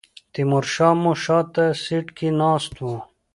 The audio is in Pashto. تیمور شاه مو شاته سیټ کې ناست و.